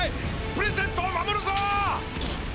プレゼントを守るぞ！